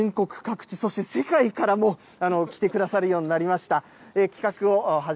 今、ボランティアの方も全国各地、そして世界からも来てくださるようになりました。